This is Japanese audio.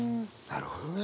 なるほどね。